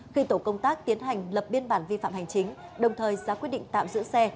khi tổ công tác tiến hành lập biên bản vi phạm hành chính đồng thời ra quyết định tạm giữ xe